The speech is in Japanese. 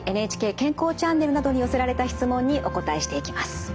ＮＨＫ健康チャンネルなどに寄せられた質問にお答えしていきます。